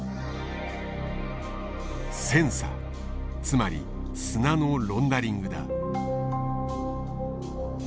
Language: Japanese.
つまり砂のロンダリングだ。